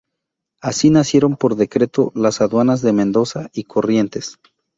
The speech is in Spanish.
Así nacieron, por decreto, las aduanas de Mendoza y Corrientes.